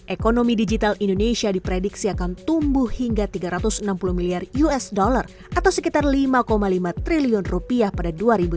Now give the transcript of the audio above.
ekonomi digital indonesia diprediksi akan tumbuh hingga tiga ratus enam puluh miliar usd atau sekitar lima lima triliun rupiah pada dua ribu tujuh belas